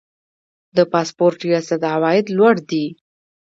د پاسپورت ریاست عواید لوړ دي